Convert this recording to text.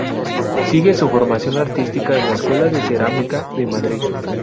Sigue su formación artística en la Escuela de Cerámica de Madrid.